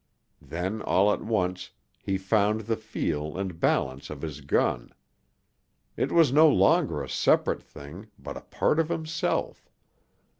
Then, all at once, he found the feel and balance of his gun. It was no longer a separate thing but a part of himself.